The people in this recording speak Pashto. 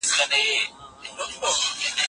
تاسو کولای سئ خپل مال وساتئ.